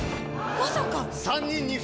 まさか！